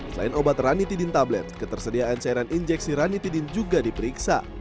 selain obat ranitidin tablet ketersediaan cairan injeksi ranitidin juga diperiksa